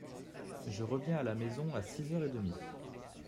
Je reviens à la maison à six heures et demi.